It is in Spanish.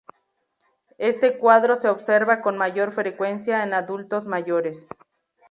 Este cuadro se observa con mayor frecuencia en adultos mayores.